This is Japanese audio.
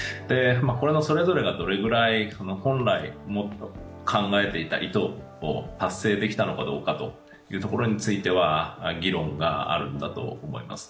これのそれぞれがどれぐらい本来考えていた意図を達成できたのかどうかというところについては議論があるんだと思います。